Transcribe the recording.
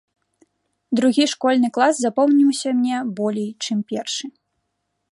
Другі школьны клас запомніўся мне болей, чым першы.